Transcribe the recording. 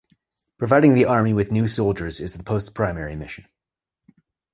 Providing the Army with new soldiers is the post's primary mission.